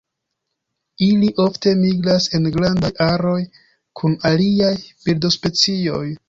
Ili ofte migras en grandaj aroj kun aliaj birdospecioj.